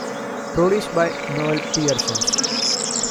Produced by Noel Pearson.